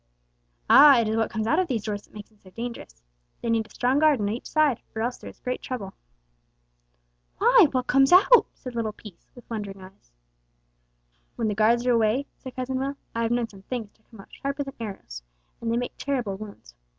"Ah! it is what comes out of these doors that makes them so dangerous. They need a strong guard on each side, or else there is great trouble." "Why, what comes out?" said little Peace, with wondering eyes. "When the guards are away," said Cousin Will, "I have known some things to come out sharper than arrows, and they make terrible wounds.